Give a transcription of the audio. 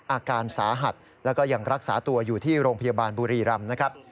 อาการสาหัสแล้วก็ยังรักษาตัวอยู่ที่โรงพยาบาลบุรีรำนะครับ